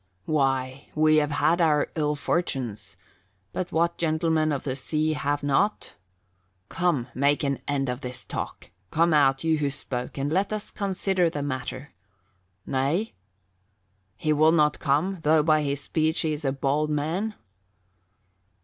"Why we have had our ill fortunes. But what gentlemen of the sea have not? Come, make an end of this talk. Come out, you who spoke, and let us consider the matter. Nay? He will not come, though by his speech he is a bold man?"